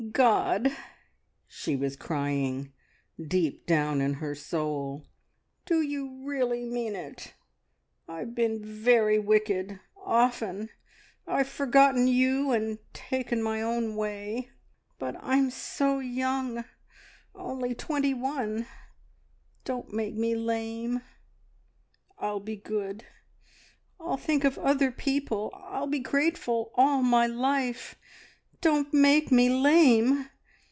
"God," she was crying deep down in her soul, "do You really mean it? I've been very wicked often, I've forgotten You and taken my own way, but I'm so young only twenty one don't make me lame! I'll be good, I'll think of other people, I'll be grateful all my life. Don't make me lame!